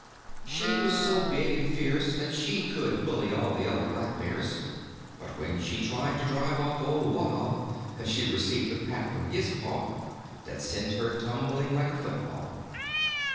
She was so big and fierce that she could bully all the other Blackbears, but when she tried to drive off old Wahb she received a pat from his paw that sent her tumbling like a football.